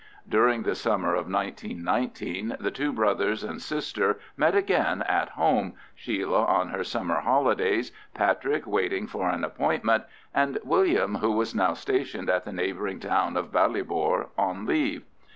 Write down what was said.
During the summer of 1919 the two brothers and sister met again at home, Sheila on her summer holidays, Patrick waiting for an appointment, and William, who was now stationed at the neighbouring town of Ballybor, on leave.